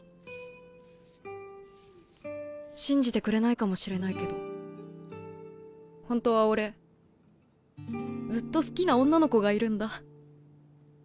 信じてくれないかもしれないけど本当は俺ずっと好きな女の子がいるんだ。